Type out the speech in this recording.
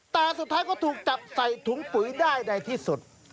แต่สุดท้ายก็ถูกจับใส่ถุงปุ๋ยได้ในที่สุด